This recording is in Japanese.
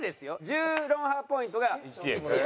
１０ロンハーポイントが１円。